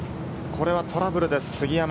これはトラブルです、杉山。